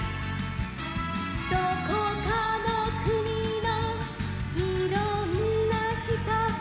「どこかの国のいろんな人と」